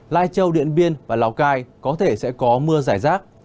lai châu điện biên và lào cai có thể sẽ có mưa giải rác